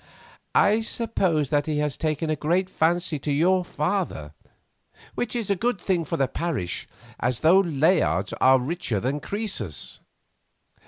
"I suppose that he has taken a great fancy to your father, which is a good thing for the parish, as those Layards are richer than Croesus."